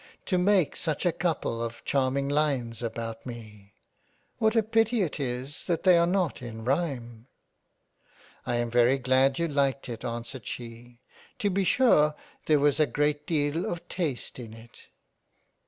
To make such a couple of charming lines about me ! What a pity it is that they are not in rhime !"" I am very glad you like it answered she ; To be sure there was a great deal of Taste in it.